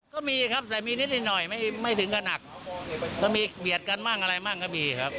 ก็มีครับแต่มีนิดหน่อยไม่ถึงกระหนักก็มีเบียดกันบ้างอะไรมั่งก็มีครับ